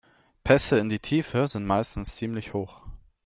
Pässe in die Tiefe sind meistens ziemlich hoch.